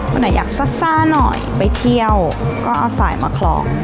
วันไหนอยากซ่าหน่อยไปเที่ยวก็เอาสายมาคลอง